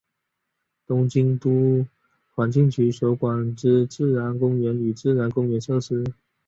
东京都环境局所管之自然公园与自然公园设施。